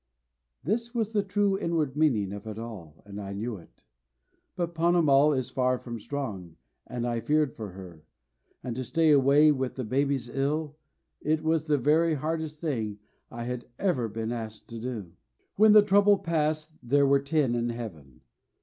This was the true inward meaning of it all, and I knew it. But Ponnamal is far from strong, and I feared for her; and to stay away with the babies ill it was the very hardest thing I had ever been asked to do. When the trouble passed there were ten in heaven.